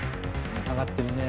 上がってるね。